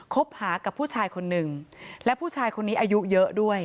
คบหากับผู้ชายคนหนึ่งและผู้ชายคนนี้อายุเยอะด้วย